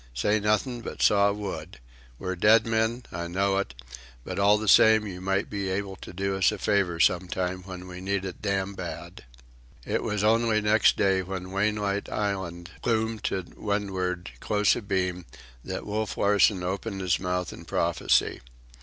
Say nothin' but saw wood. We're dead men, I know it; but all the same you might be able to do us a favour some time when we need it damn bad." It was only next day, when Wainwright Island loomed to windward, close abeam, that Wolf Larsen opened his mouth in prophecy.